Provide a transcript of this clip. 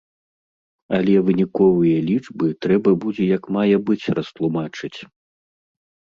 Але выніковыя лічбы трэба будзе як мае быць растлумачыць.